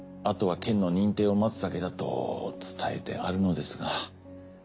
あとは県の認定を待つだけだと伝えてあるのですが。